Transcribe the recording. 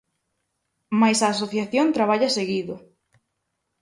Mais a asociación traballa seguido.